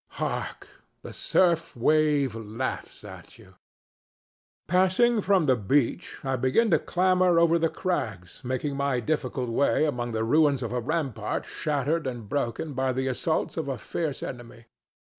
Hark! the surf wave laughs at you. Passing from the beach, I begin to clamber over the crags, making my difficult way among the ruins of a rampart shattered and broken by the assaults of a fierce enemy.